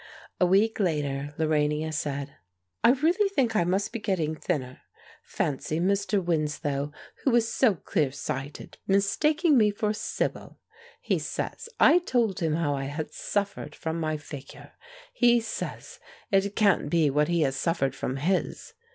A week later Lorania said: "I really think I must be getting thinner. Fancy Mr. Winslow, who is so clear sighted, mistaking me for Sibyl! He says I told him how I had suffered from my figure he says it can't be what he has suffered from his.